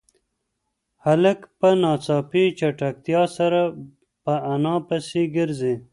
هلک په ناڅاپي چټکتیا سره په انا پسې گرځي.